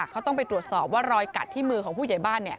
เขาต้องไปตรวจสอบว่ารอยกัดที่มือของผู้ใหญ่บ้าน